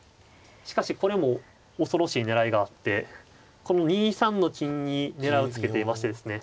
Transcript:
しかしこれも恐ろしい狙いがあってこの２三の金に狙いをつけていましてですね。